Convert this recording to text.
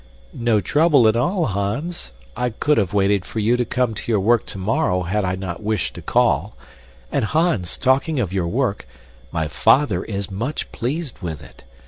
"No trouble at all, Hans. I could have waited for you to come to your work tomorrow, had I not wished to call. And, Hans, talking of your work, my father is much pleased with it.